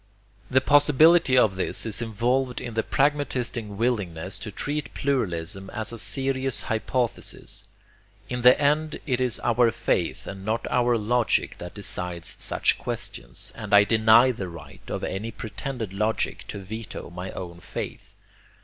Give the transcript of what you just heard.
The possibility of this is involved in the pragmatistic willingness to treat pluralism as a serious hypothesis. In the end it is our faith and not our logic that decides such questions, and I deny the right of any pretended logic to veto my own faith.